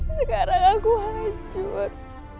sekarang aku hancur